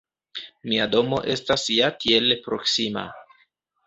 Mia domo estas ja tiel proksima!